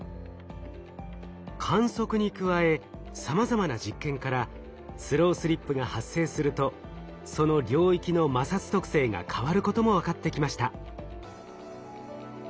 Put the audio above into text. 観測に加えさまざまな実験からスロースリップが発生するとその領域の摩擦特性が変わることも分かってきました。